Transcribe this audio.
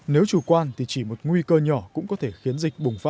nếu chủ quan thì chỉ một nguy cơ nhỏ cũng có thể khiến dịch